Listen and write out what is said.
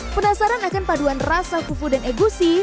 penasaran akan paduan rasa fufu dan egusi